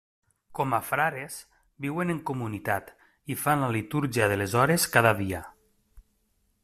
Com a frares, viuen en comunitat i fan la litúrgia de les hores cada dia.